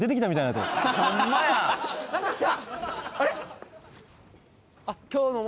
あれ？